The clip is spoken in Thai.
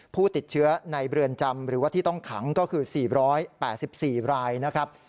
ผู้ติดเชื้อในเรือนจำหรือว่าที่ต้องขังก็คือ๔๘๔รายนะครับ